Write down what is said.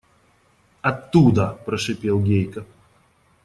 – Оттуда, – прошипел Гейка.